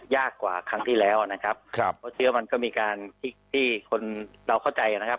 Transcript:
ยากกว่าครั้งที่แล้วนะครับครับเพราะเชื้อมันก็มีการที่ที่คนเราเข้าใจนะครับ